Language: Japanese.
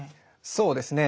そうですね。